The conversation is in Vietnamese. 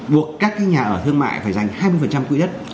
buộc các nhà ở thương mại phải dành hai mươi quỹ đất